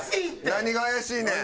何が怪しいねん。